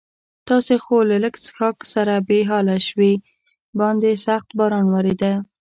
تاسې خو له لږ څښاک سره بې حاله شوي، باندې سخت باران ورېده.